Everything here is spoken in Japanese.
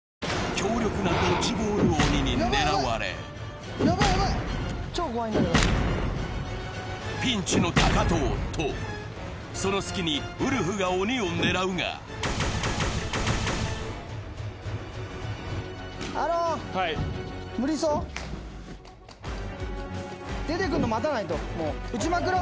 強力なドッジボール鬼に狙われピンチの高藤と、その隙にウルフが鬼を狙うが出てくんの待たないと。